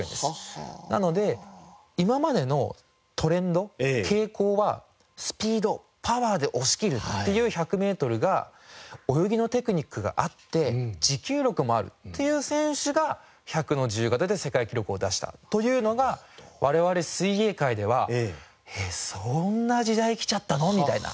なので今までのトレンド傾向はスピードパワーで押し切るっていう１００メートルが泳ぎのテクニックがあって持久力もあるっていう選手が１００の自由形で世界記録を出したというのが我々水泳界ではそんな時代きちゃったの？みたいな。